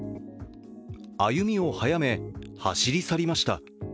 歩みを速め、走り去りました。